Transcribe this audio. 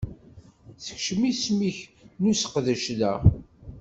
Sekcem isem-ik n useqdac da.